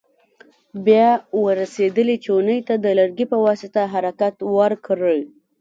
بیا ور رسېدلې چونې ته د لرګي په واسطه حرکت ورکړئ.